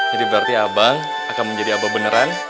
jadi berarti abang akan menjadi abah beneran